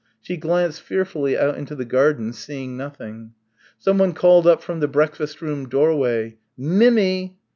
She glanced fearfully out into the garden, seeing nothing. Someone called up from the breakfast room doorway, "Mim my!"